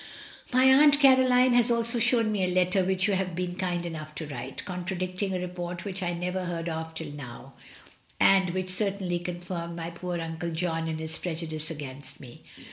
My Aunt Caroline has also shown me a letter which you have been kind enough to write, contradicting a report which I never heard of till now, and which certainly confirmed my poor Unde John in his prejudice against me.